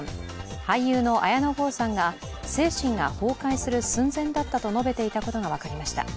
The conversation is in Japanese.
俳優の綾野剛さんが精神が崩壊する寸前だったと述べていたことが分かりました。